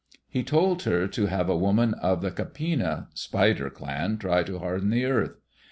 He told her to have a woman of the Kapina (spider) clan try to harden the earth.